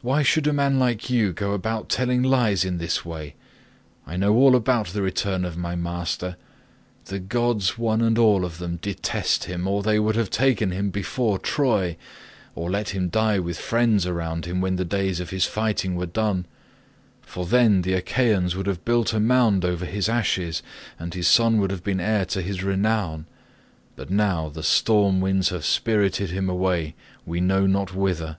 Why should a man like you go about telling lies in this way? I know all about the return of my master. The gods one and all of them detest him, or they would have taken him before Troy, or let him die with friends around him when the days of his fighting were done; for then the Achaeans would have built a mound over his ashes and his son would have been heir to his renown, but now the storm winds have spirited him away we know not whither.